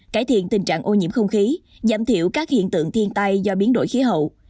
cải thiện tình trạng ô nhiễm không khí giảm thiểu các hiện tượng thiên tai do biến đổi khí hậu